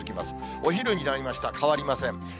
お昼になりました、変わりません。